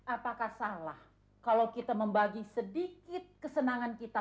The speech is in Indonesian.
apakah salah kalau kita membagi sedikit kesenangan kita